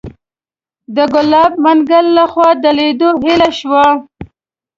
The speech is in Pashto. د ګلاب منګل لخوا د لیدو هیله شوه.